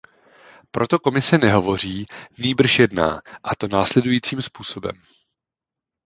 Proto Komise nehovoří, nýbrž jedná, a to následujícím způsobem.